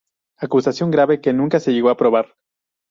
Acusación grave que nunca se llegó a probar.